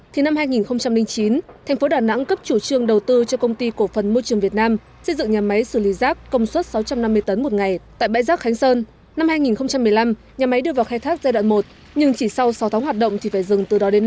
thì năm hai nghìn chín tp đà nẵng cấp chủ trương đầu tư cho công ty cổ phần môi trường việt nam xây dựng nhà máy xử lý rác công suất sáu trăm năm mươi tấn một ngày tại bãi rác khánh sơn